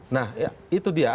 nah itu dia